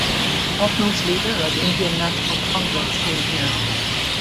Topmost leader of Indian National Congress came here.